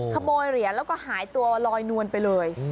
ขโมยเหรียญแล้วก็หายตัวลอยนวลไปเลย